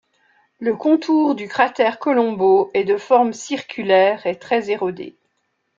Le contour du cratère Colombo est de forme circulaire et très érodé.